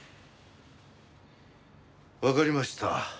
わかりました。